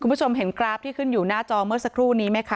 คุณผู้ชมเห็นกราฟที่ขึ้นอยู่หน้าจอเมื่อสักครู่นี้ไหมคะ